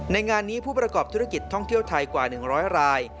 งานนี้ผู้ประกอบธุรกิจท่องเที่ยวไทยกว่า๑๐๐ราย